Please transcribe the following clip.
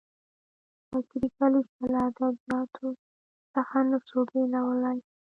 فکري کلیشه له ادبیاتو څخه نه سو بېلولای.